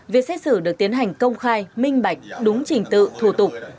việc xét xử được tiến hành công khai minh bạch đúng trình tự thủ tục